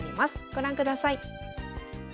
ご覧ください。